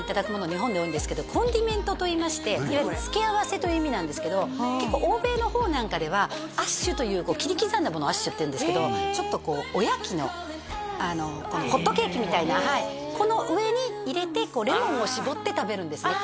日本で多いんですけどコンディメントといいまして付け合わせという意味なんですけど結構欧米の方なんかではアッシュという切り刻んだものをアッシュっていうんですけどちょっとこうおやきのホットケーキみたいなこの上に入れてレモンを搾って食べるんですね